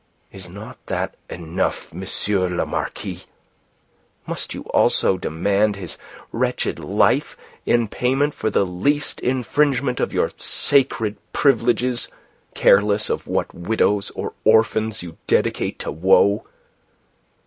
Is not that enough, M. le Marquis? Must you also demand his wretched life in payment for the least infringement of your sacred privileges, careless of what widows or orphans you dedicate to woe?